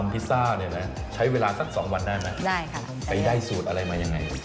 ไปได้สูตรอะไรมาอย่างไร